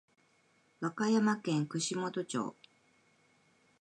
和歌山県串本町